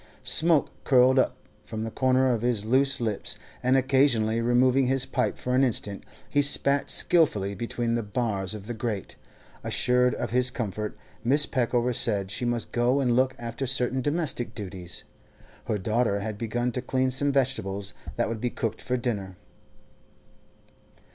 Smoke curled up from the corner of his loose lips, and occasionally, removing his pipe for an instant, he spat skilfully between the bars of the grate. Assured of his comfort, Mrs. Peckover said she must go and look after certain domestic duties. Her daughter had begun to clean some vegetables that would be cooked for dinner.